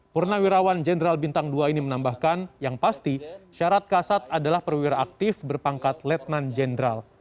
purna wirawan general bintang dua ini menambahkan yang pasti syarat kasat adalah perwira aktif berpangkat lieutenant general